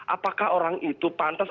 apakah orang itu pantas